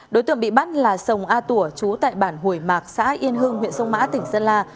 đối tượng bị bắt là sông a tủa chú tại bản hủy mạc xã yên hương huyện sông mã tỉnh sơn la